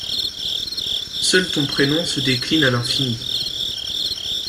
Seul ton prénom se décline à l’infini.